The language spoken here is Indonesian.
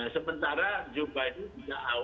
sementara juga itu tidak awal